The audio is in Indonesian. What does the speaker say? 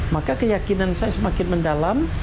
maka keyakinan saya semakin mendalam